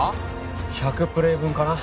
１００プレイ分かな